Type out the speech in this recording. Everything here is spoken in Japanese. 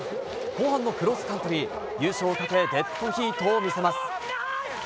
後半のクロスカントリー優勝をかけデッドヒートを見せます。